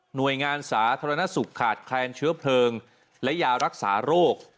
โดยงานสาธารณสุขขาดแคลนเชื้อเพลิงและยารักษาโรค